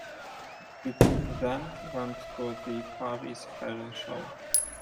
It then went to the Paris Air Show.